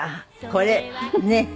これねっ。